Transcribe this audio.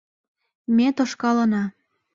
Ме тошкалына